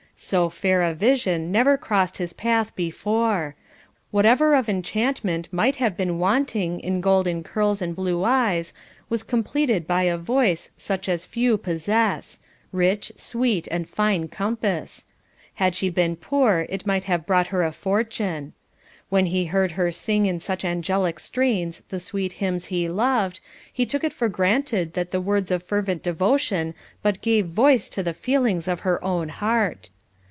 So fair a vision never crossed his path before; whatever of enchantment might have been wanting in golden curls and blue eyes was completed by a voice such as few possess, rich, sweet, and fine compass; had she been poor it might have brought her a fortune. When he heard her sing in such angelic strains the sweet hymns he loved, he took it for granted that the words of fervent devotion but gave voice to the feelings of her own heart.